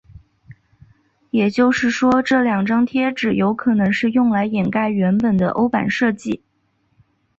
也就是说这两张贴纸有可能是用来掩盖原本的欧版设计。